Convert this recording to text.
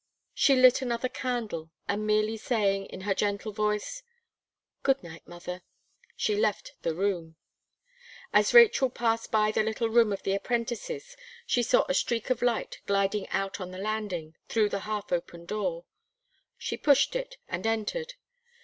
She, lit another candle, and merely saying, in her gentle voice "Good night, mother," she left the room. As Rachel passed by the little room of the apprentices, she saw a streak of light gliding out on the landing, through the half open door. She pushed it, and entered.